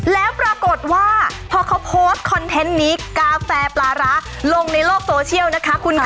แล้วปรากฏว่าพอเขาโพสต์คอนเทนต์นี้กาแฟปลาร้าลงในโลกโซเชียลนะคะคุณค่ะ